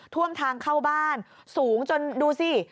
ท่วมทางเข้าบ้านสูงจนดูสิ